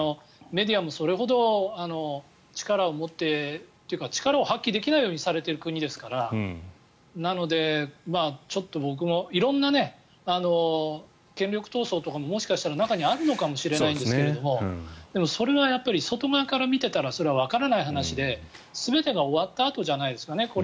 メディアもそれほど力をもってというか力を発揮できないようにされている国ですからなので、ちょっと僕も色んな権力闘争とかももしかしたら中にあるのかもしれないんですけどそれは外側から見てたらそれはわからない話で全てが終わったあとじゃないですかね